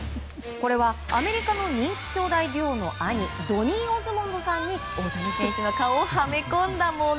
これはアメリカの人気兄妹デュオの兄ダニー・オズモンドさんに大谷選手の顔をはめ込んだもの。